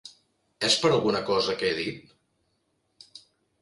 És per alguna cosa que he dit?